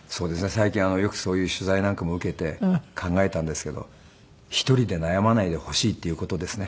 最近よくそういう取材なんかも受けて考えたんですけど１人で悩まないでほしいっていう事ですね。